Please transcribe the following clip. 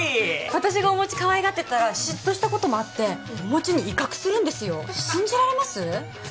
私がおもちかわいがってたら嫉妬したこともあっておもちに威嚇するんですよ信じられます？